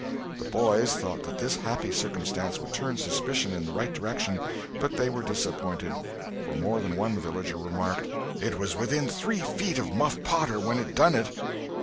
The boys thought that this happy circumstance would turn suspicion in the right direction; but they were disappointed, for more than one villager remarked: "It was within three feet of Muff Potter when it done it."